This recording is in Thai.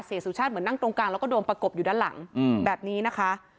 สุชาติเหมือนนั่งตรงกลางแล้วก็โดนประกบอยู่ด้านหลังแบบนี้นะคะ